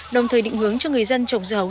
đồng thời định hướng cho người dân trồng dưa hấu